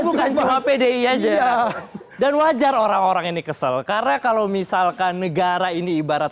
bukan cuma pdi aja dan wajar orang orang ini kesel karena kalau misalkan negara ini ibarat